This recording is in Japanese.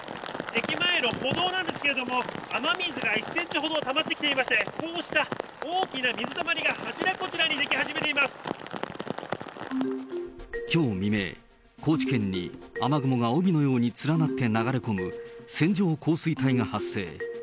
駅前の歩道なんですけれども、雨水が１センチほどたまってきていまして、こうした大きな水たまりが、きょう未明、高知県に雨雲が帯のように連なって流れ込む、線状降水帯が発生。